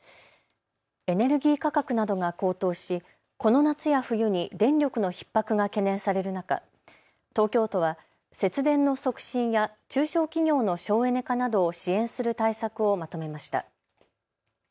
エネルギー価格などが高騰しこの夏や冬に電力のひっ迫が懸念される中、東京都は節電の促進や中小企業の省エネ化などを支援する対策をまとめました。